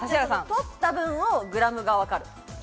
取った分をグラムで分かる。